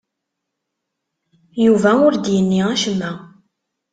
Yuba ur d-yenni acemma.